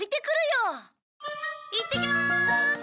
いってきます。